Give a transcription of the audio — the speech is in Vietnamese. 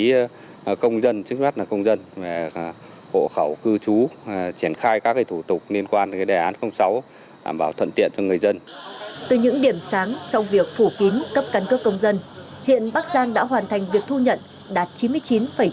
từ những điểm sáng trong việc phủ kín cấp căn cước công dân hiện bắc giang đã hoàn thành việc thu nhận đạt chín mươi chín chín